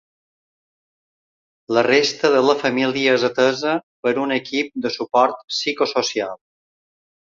La resta de la família és atesa per un equip de suport psicosocial.